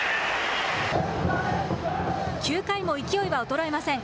９回も勢いは衰えません。